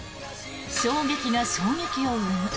衝撃が衝撃を生む。